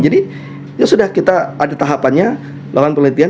jadi ya sudah kita ada tahapannya melakukan penelitian